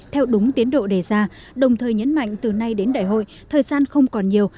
theo đúng tiến độ đề ra đồng thời nhấn mạnh từ nay đến đại hội thời gian không còn nhiều